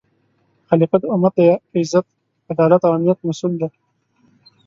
خلیفه د امت د عزت، عدالت او امنیت مسؤل دی